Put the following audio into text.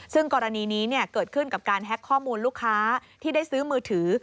ซึ่งกรณีนี้เกิดขึ้นกับการแฮ็กข้อมูลลูกค้าที่ได้ซื้อมือถือ